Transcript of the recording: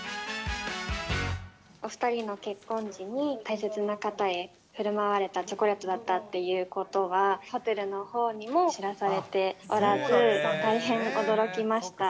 お２人の結婚時に大切な方へふるまわれたチョコレートだったということは、ホテルのほうにも知らされておらず、大変驚きました。